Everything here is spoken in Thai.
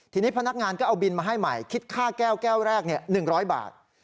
ทีนี้พนักงานก็เอาบินมาให้ใหม่คิดค่าแก้วแก้วแรก๑๐๐บาท